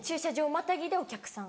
またぎでお客さん。